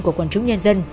của quần chúng nhân dân